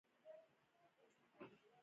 بې وزله باید څنګه مرسته شي؟